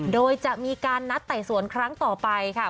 โดยจะมีการนัดไต่สวนครั้งต่อไปค่ะ